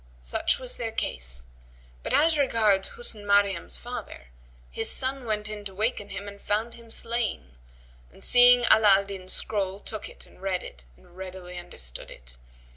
Such was their case; but as regards Husn Maryam's father, his son went in to waken him and found him slain; and, seeing Ala al Din's scroll, took it and read it, and readily understood it.